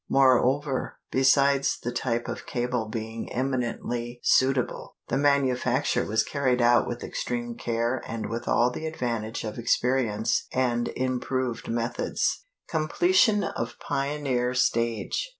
Moreover, besides the type of cable being eminently suitable, the manufacture was carried out with extreme care and with all the advantage of experience and improved methods. _Completion of Pioneer Stage.